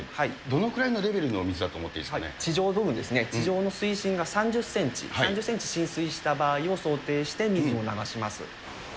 どのくらいのレベルの水だと思っ地上部分、地上の水深が３０センチ、３０センチ浸水した場合を想定して、水を流します。